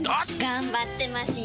頑張ってますよ！